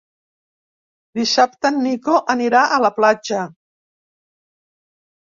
Dissabte en Nico anirà a la platja.